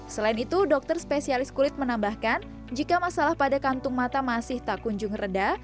selain itu dokter spesialis kulit menambahkan jika masalah pada kantung mata masih tak kunjung reda